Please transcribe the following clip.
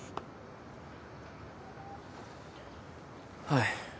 はい。